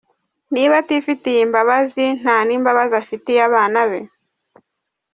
Niba atifitiye imbabazi nta n’imbabazi afitiye abana be?